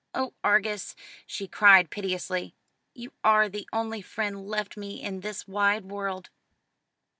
"Oh, Argus," she cried piteously, "you are the only friend left me in this wide world!"